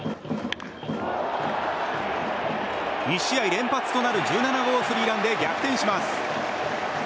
２試合連発となる１７号スリーランで逆転します。